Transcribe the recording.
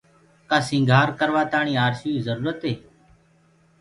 ڪآ سيٚگآر ڪروآ تآڻيٚ آرسيٚ جروُريٚ هي